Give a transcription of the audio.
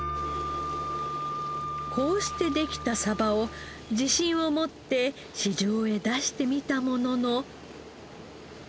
こうしてできたサバを自信を持って市場へ出してみたものの。